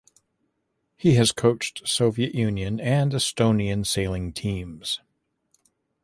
He has coached Soviet Union and Estonian sailing teams.